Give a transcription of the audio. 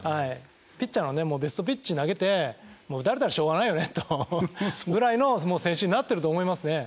ピッチャーがねもうベストピッチに投げて打たれたらしょうがないよねとぐらいの選手になってると思いますね。